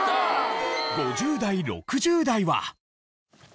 ５０代６０代は。